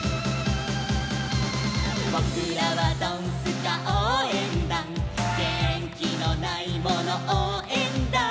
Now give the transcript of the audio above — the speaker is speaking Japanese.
「ぼくらはドンスカおうえんだん」「げんきのないものおうえんだ」